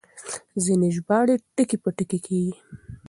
ځينې ژباړې ټکي په ټکي کېږي.